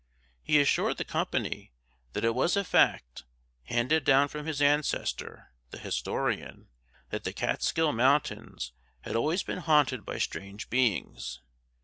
He assured the company that it was a fact, handed down from his ancestor, the historian, that the Kaatskill mountains had always been haunted by strange beings.